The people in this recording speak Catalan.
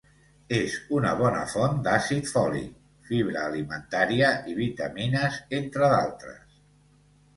És una bona font d'àcid fòlic, fibra alimentària i vitamines entre d'altres.